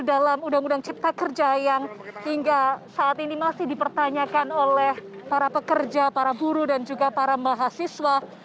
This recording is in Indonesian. dalam undang undang cipta kerja yang hingga saat ini masih dipertanyakan oleh para pekerja para buruh dan juga para mahasiswa